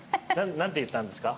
何て言ったんですか？